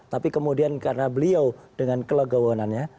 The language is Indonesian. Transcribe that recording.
tapi kemudian karena beliau dengan kelegawanannya